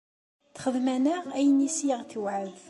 Texdem-aneɣ ayen iyes aɣ-tewɛed.